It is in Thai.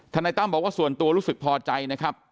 นายตั้มบอกว่าส่วนตัวรู้สึกพอใจนะครับ